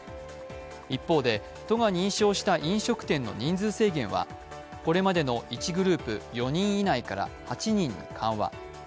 一方で、都が認証した飲食店の人数制限はこれまでの１グループ４人以内から８人に緩和。